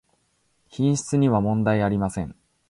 品質にはもんだいありません